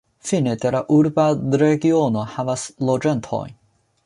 Fine de la urba regiono havis loĝantojn.